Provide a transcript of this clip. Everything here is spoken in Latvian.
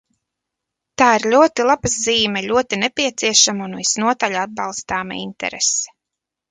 Tā ir ļoti laba zīme, ļoti nepieciešama un visnotaļ atbalstāma interese.